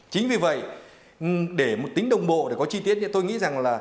chính vì vậy để một tính đồng bộ để có chi tiết thì tôi nghĩ rằng là